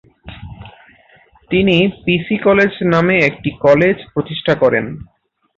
তিনি PC college নামে একটি কলেজ প্রতিষ্ঠা করেন।